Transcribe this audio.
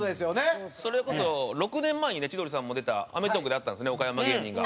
それこそ６年前にね千鳥さんも出た『アメトーーク』であったんですね岡山芸人が。